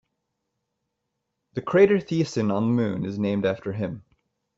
The crater Thiessen on the Moon is named after him.